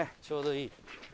ちょうどいい。